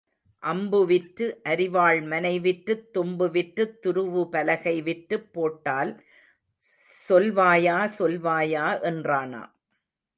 அம்பு விற்று அரிவாள்மனை விற்றுத் தும்பு விற்றுத் துருவுபலகை விற்றுப் போட்டால் சொல்வாயா சொல்வாயா என்றானாம்.